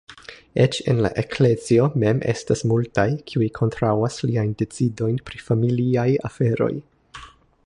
Eĉ en la eklezio mem estas multaj, kiuj kontraŭas liajn decidojn pri familiaj aferoj.